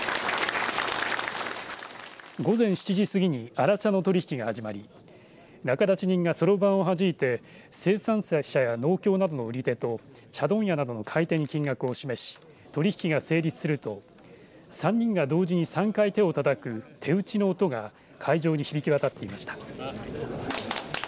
午前７時過ぎに荒茶の取り引きが始まり仲立ち人がそろばんをはじいて生産者や農協などの売り手と茶問屋などの買い手に金額を示し取り引きが成立すると３人が同時に３回手をたたく手打ちの音が会場に響き渡っていました。